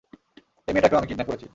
এই মেয়েটাকেও আমি কিডন্যাপ করেছি।